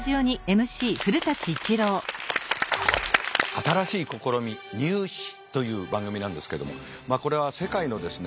新しい試み「ニュー試」という番組なんですけどもこれは世界のですね